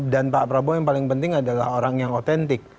dan pak prabowo yang paling penting adalah orang yang otentik